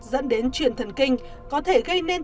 dẫn đến truyền thần kinh có thể gây nên